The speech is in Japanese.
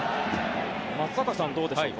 松坂さん、どうでしょう。